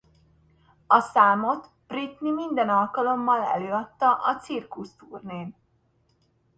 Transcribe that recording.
A számot Britney minden alkalommal előadta a Circus turnén.